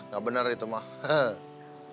enggak benar itu mas